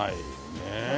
ねえ？